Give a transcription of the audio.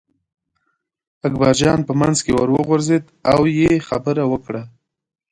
اکبرجان په منځ کې ور وغورځېد او یې خبره وکړه.